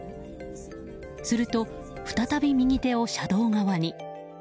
すると再び右手を車道側に。